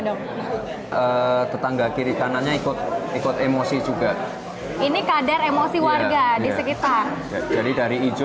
dong tetangga kiri kanannya ikut ikut emosi juga ini kadar emosi warga di sekitar jadi dari ijo